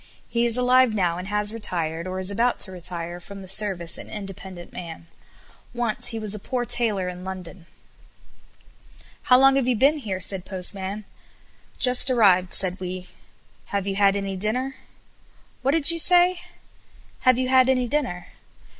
He is alive now and has retired, or is about to retire from the service an independent man. Once he was a poor tailor in London. "How long have you been here?" said Postman. "Just arrived," said we. "Have you had any dinner?" "What did you say?" "Have you had any dinner?"